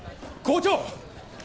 校長！